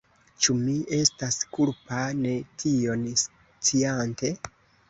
Ĉu mi estas kulpa, ne tion sciante?